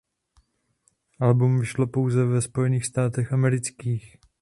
Album vyšlo pouze ve Spojených státech amerických.